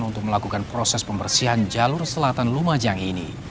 untuk melakukan proses pembersihan jalur selatan lumajang ini